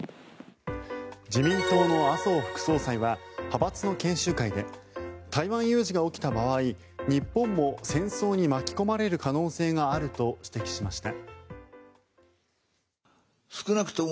自民党の麻生副総裁は派閥の研修会で台湾有事が起きた場合日本も戦争に巻き込まれる可能性があると指摘しました。